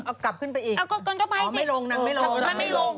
เอากลับขึ้นไปอีกเอาก็ไปสิไม่ลงนางไม่ลงมันไม่ลง